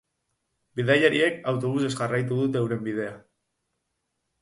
Bidaiariek autobusez jarraitu dute euren bidea.